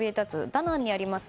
ダナンにあります